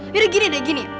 yaudah gini deh gini